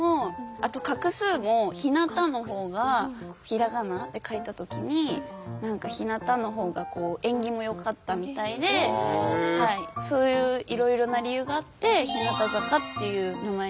あと画数も「ひなた」の方がひらがなで書いた時に何か「ひなた」の方が縁起もよかったみたいでそういういろいろな理由があって「日向坂」っていう名前になったみたいです。